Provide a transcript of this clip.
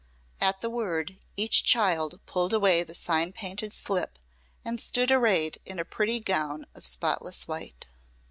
At the word each child pulled away the sign painted slip and stood arrayed in a pretty gown of spotless white.